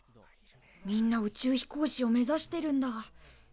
みんな宇宙飛行士を目ざしてるんだ。